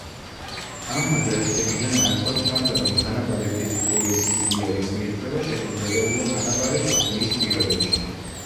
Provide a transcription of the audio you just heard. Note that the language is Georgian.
ამ მაგალითებიდან ნათლად ჩანდა, რომ თანაბარი ფიზიკური სიძლიერის მიღწევა შესაძლებელია თანაბარი წვრთნის პირობებში.